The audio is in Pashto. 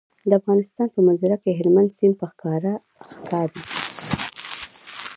د افغانستان په منظره کې هلمند سیند په ښکاره ښکاري.